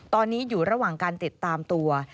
ตอนนี้อยู่ระหว่างการติดตามตัว